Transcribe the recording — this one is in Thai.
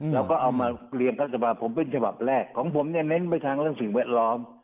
แล้วก็เอามาเรียนทัศนภาพผมเป็นสภาพแรกของผมเน้นไปทางเรื่องสิ่งแวดล้อม